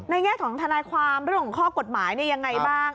แง่ของทนายความเรื่องของข้อกฎหมายยังไงบ้าง